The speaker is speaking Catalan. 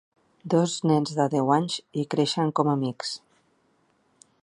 Dos nens de deu anys hi creixen com a amics.